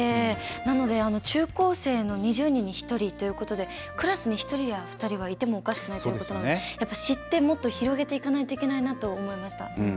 なので、中高生の２０人に１人ということでクラスに１人や２人はいてもおかしくないということなので知って、もっと広げていかないといけないなと思いました。